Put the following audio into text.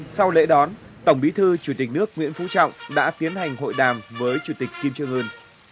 sau lễ đón tổng bí thư chủ tịch nước nguyễn phú trọng đã tiến hành hội đàm với chủ tịch kim trương ưn